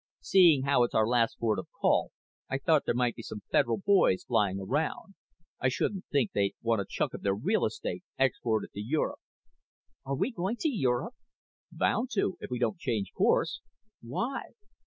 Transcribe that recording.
"Seeing how it's our last port of call, I thought there might be some Federal boys flying around. I shouldn't think they'd want a chunk of their real estate exported to Europe." "Are we going to Europe?" "Bound to if we don't change course." "Why?"